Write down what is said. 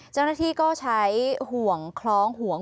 เจ้าหน้าที่ก็ใช้ห่วงคล้องห่วง